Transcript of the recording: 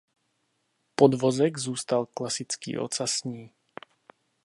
Podvozek zůstal klasický ocasní.